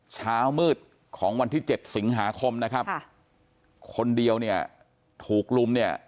เช้ามืดของวันที่๗สิงหาคมนะครับคนเดียวเนี่ยถูกลุมเนี่ย